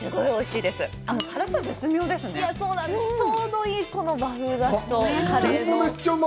ちょうどいい和風出汁とカレーの。